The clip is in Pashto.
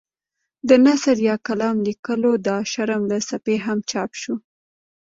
د نثر یا کالم لیکلو دا شرم له سپي هم چاپ شو.